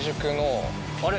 あれ？